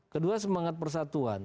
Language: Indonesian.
kedua semangat persatuan